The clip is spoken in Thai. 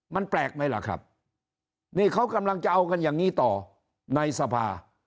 มันแปลกไหมล่ะครับนี่เขากำลังจะเอากันอย่างนี้ต่อในสภา